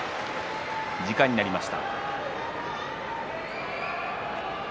時間になりました。